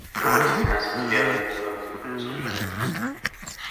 El grupo es el más estudiado de todos los grupos compactos.